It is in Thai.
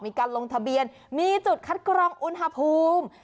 มีการลงทะเบียนมีจุดคัดกรองอุณหภูมิ